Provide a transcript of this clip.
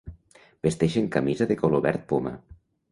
Vesteixen camisa de color verd poma.